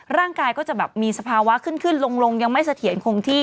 ร่างกายก็จะแบบมีสภาวะขึ้นขึ้นลงยังไม่เสถียรคงที่